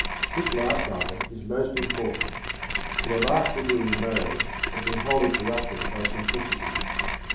This last item is most important : for the last literary mode had been wholly corrupted by simplicity.